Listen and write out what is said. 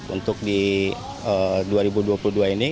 untuk di dua ribu dua puluh dua ini